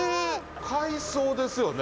海藻ですよね？